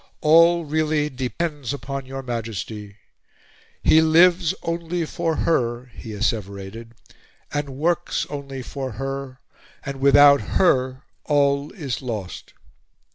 All, really, depends upon your Majesty." "He lives only for Her," he asseverated, "and works only for Her, and without Her all is lost."